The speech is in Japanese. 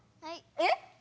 ・えっ？